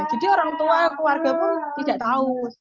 jadi orang tua keluarga pun tidak tahu